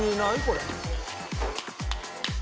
これ。